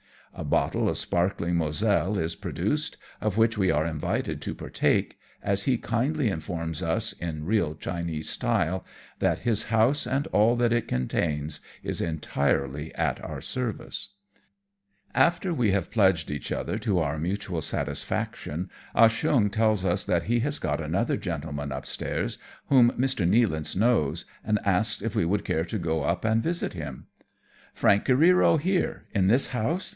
A bottle of sparkling Moselle is pro duced, of which we are invited to partake, as he kindly informs us, in real Chinese style, that his house and all that it contains is entirely at our service. After we have pledged each other to our mutual So AMONG TYPHOONS AND PIRATE CRAFT. satisfaction, Ah Cheong tells us that he has got another gentleman upstairs, whom Mr. Nealance knows, and asks if we would care to go up and visit him. " Frank Careero here, in this house